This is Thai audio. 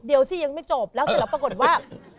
เดี๋ยวสิยังไม่จบแล้วเสร็จแล้วปรากฏว่า